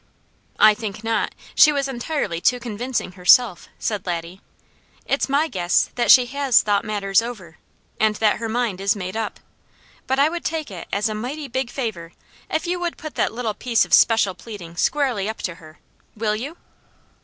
"I think not! She was entirely too convincing herself," said Laddie. "It's my guess that she has thought matters over, and that her mind is made up; but I would take it as a mighty big favour if you would put that little piece of special pleading squarely up to her. Will you?"